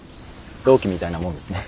同期みたいなもんですね。